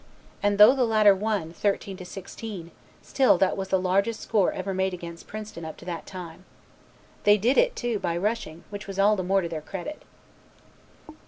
And though the latter won, 33 to 16, still that was the largest score ever made against Princeton up to that time. They did it, too, by rushing, which was all the more to their credit.